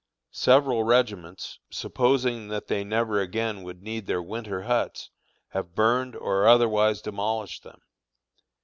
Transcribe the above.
Several regiments, supposing that they never again would need their winter huts, have burned or otherwise demolished them.